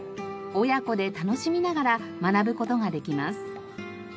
親子で楽しみながら学ぶ事ができます。